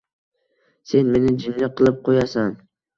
Sen meni jinni qilib qo‘yasan!